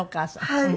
はい。